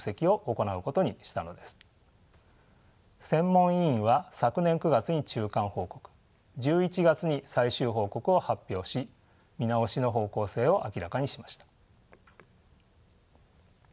専門委員は昨年９月に中間報告１１月に最終報告を発表し見直しの方向性を明らかにしました。